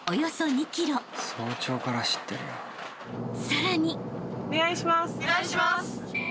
［さらに］お願いします。